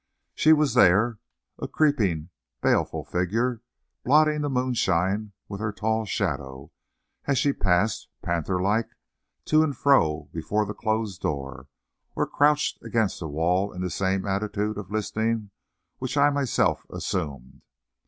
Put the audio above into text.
She was there, a creeping, baleful figure, blotting the moonshine with her tall shadow, as she passed, panther like, to and fro before that closed door, or crouched against the wall in the same attitude of listening which I myself assumed.